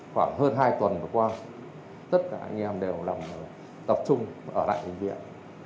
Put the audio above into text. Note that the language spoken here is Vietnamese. khoảng hơn hai tuần qua tất cả anh em đều tập trung ở lại bệnh viện